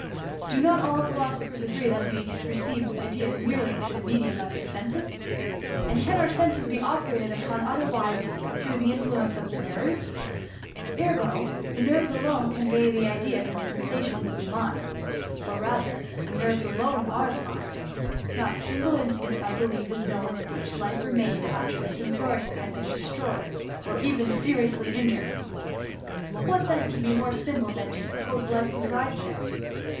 Do not all philosophers agree that we receive ideas merely through the medium of the senses.*^ And can our senses be operated upon otherwise than through the influence of the nerves ? Ergo, the nerves alone convey ideas and sensations to the mind — or rather, the nerves alone are the mind. Not a single instance, I believe, is known in which life remained after the sensorium had been destroyed, or even seriously injured. What then can be more simple than to suppose life resides there